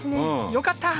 よかった。